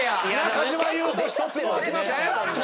中島裕翔１つも開きません！